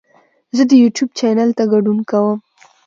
زه د یوټیوب چینل ته ګډون کوم.